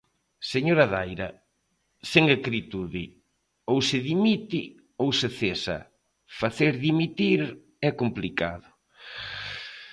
Señora Daira, sen acritude, ou se dimite ou se cesa, facer dimitir é complicado.